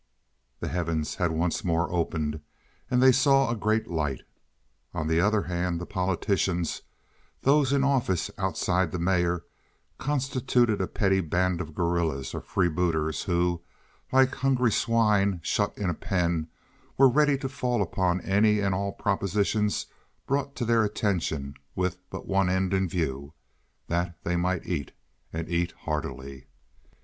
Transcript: The heavens had once more opened, and they saw a great light. On the other hand the politicians—those in office outside the mayor—constituted a petty band of guerrillas or free booters who, like hungry swine shut in a pen, were ready to fall upon any and all propositions brought to their attention with but one end in view: that they might eat, and eat heartily.